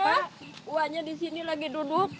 ini wanya di sini lagi duduk